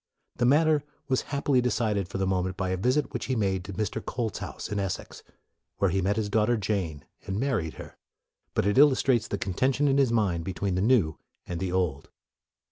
The matter was happily decided for the moment by a visit which he made to Mr. Colt's house, in Essex, where he met his daughter Jane and married her. But it illustrates the contention in his mind be tween the new and the old.